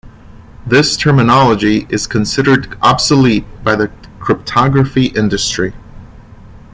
This terminology is considered obsolete by the cryptography industry.